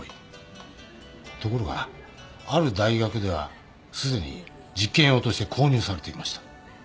ところがある大学ではすでに実験用として購入されていました。